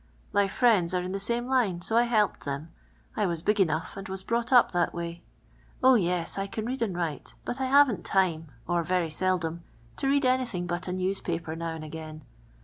My friends are in the same liur, hi» 1 helped th« m : I was big enough, and was brought up that way. 0, yt!«, 1 can road and wriie, but I haven't time, rr very seldom, to narl anyihin j hist a newnpap^T now and a .^ai:i.